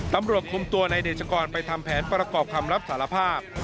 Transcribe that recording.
ตำรวจคุมตัวในเดชกรไปทำแผนประกอบคำรับสารภาพ